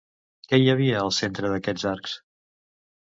Què hi havia al centre d'aquests arcs?